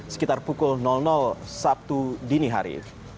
sekitar pukul sabtu dinihari